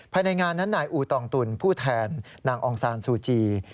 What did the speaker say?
ภายในงานนั้นนายอูตองตุลผู้แทนนางองซานซูจี